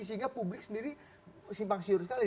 sehingga publik sendiri simpang siur sekali